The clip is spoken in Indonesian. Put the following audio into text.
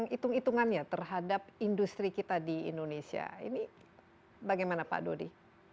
berikan itung itungannya terhadap industri kita di indonesia ini bagaimana pak dodi